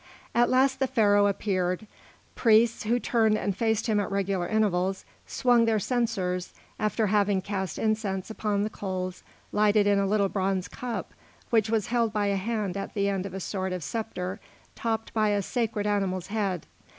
At last the Pharaoh appeared. Priests, who turned and faced him at regular intervals, swung their censers, after having cast incense upon the coals lighted in a little bronze cup which was held by a hand at the end of a sort of sceptre topped by a sacred animal's head.